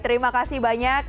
terima kasih banyak